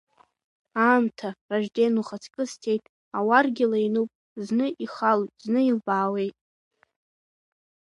Аамҭа, Ражьден, ухаҵкы сцеит, ауаргьала иануп, зны ихалоит, зны илбаауеит.